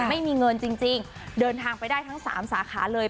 ไม่มีเงินจริงเดินทางไปได้ทั้ง๓สาขาเลย